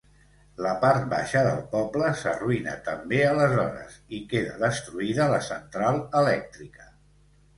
La part baixa del poble s'arruïna també aleshores i quedà destruïda la central elèctrica.